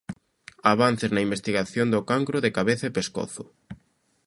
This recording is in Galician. Avances na investigación do cancro de cabeza e pescozo.